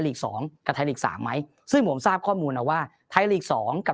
ฤกษ์๒กับไทยฤกษ์๓ไหมซึ่งผมทราบข้อมูลว่าไทยฤกษ์๒กับ